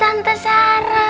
eh ada tante sarah